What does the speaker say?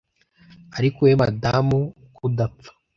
ariko wowe madamu ukudapfa